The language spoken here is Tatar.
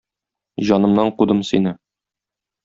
Җанымнан кудым сине.